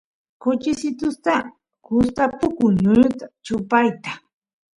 kuchisitusta gustapukun ñuñuta chupayta